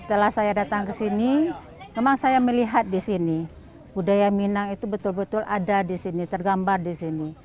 setelah saya datang ke sini memang saya melihat di sini budaya minang itu betul betul ada di sini tergambar di sini